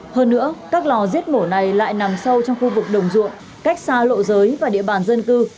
hơn nữa các lò giết mổ này lại nằm sâu trong khu vực đồng ruộng cách xa lộ giới và địa bàn dân cư